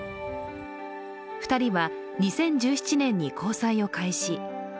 ２人は２０１７年に交際を開始。